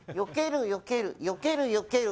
よける、よける。